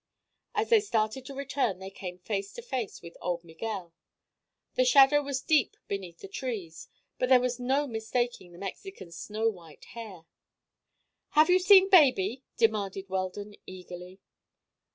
As they started to return they came face to face with old Miguel. The shadow was deep beneath the trees but there was no mistaking the Mexican's snow white hair. "Have you seen baby?" demanded Weldon eagerly.